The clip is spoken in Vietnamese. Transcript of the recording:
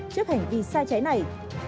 trước hành vi sai trái này